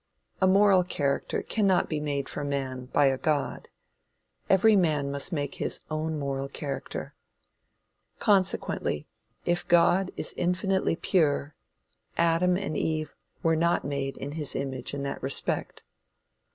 A moral character cannot be made for man by a god. Every man must make his own moral character. Consequently, if God is infinitely pure, Adam and Eve were not made in his image in that respect.